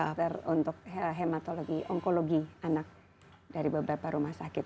after untuk hematologi onkologi anak dari beberapa rumah sakit